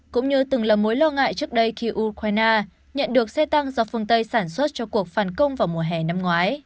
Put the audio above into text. cũng như từng là mối lo ngại trước đây khi ukraine nhận được xe tăng do phương tây sản xuất cho cuộc phản công vào mùa hè năm ngoái